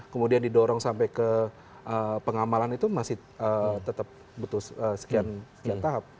kemudian didorong sampai ke pengamalan itu masih tetap butuh sekian sekian tahap